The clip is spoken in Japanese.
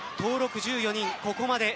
登録１４人。